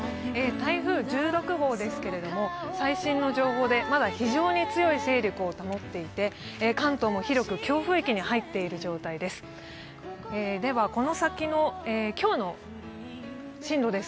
台風１６号ですが、最新の情報でまだ非常に強い勢力を保っていて、関東も広く強風域に入っている状況です。